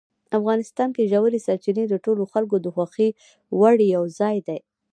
افغانستان کې ژورې سرچینې د ټولو خلکو د خوښې وړ یو ځای دی.